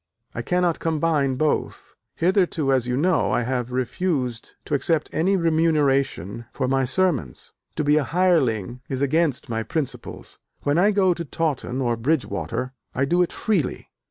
I cannot combine both. Hitherto, as you know, I have refused to accept any remuneration for my sermons: to be a hireling is against my principles: when I go to Taunton or Bridgewater, I do it freely.